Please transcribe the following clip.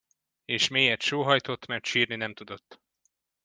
És mélyet sóhajtott, mert sírni nem tudott.